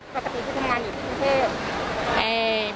ปกติที่ทำงานอยู่พรุ่งเทพธรรม